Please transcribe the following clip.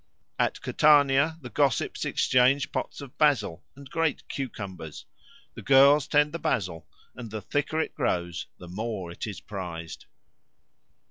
At Catania the gossips exchange pots of basil and great cucumbers; the girls tend the basil, and the thicker it grows the more it is prized.